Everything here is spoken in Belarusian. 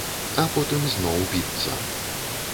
А потым зноў біцца.